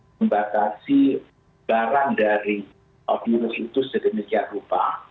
membatasi barang dari virus itu sedemikian rupa